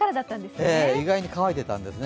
意外に乾いてたんですね。